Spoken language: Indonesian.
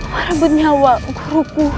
merebut nyawa guruku